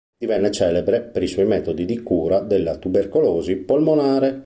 Divenne celebre per i suoi metodi di cura della tubercolosi polmonare.